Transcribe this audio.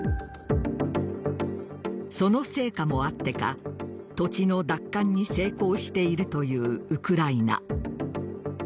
その成果もあってか土地の奪還に成功しているというウクライナ。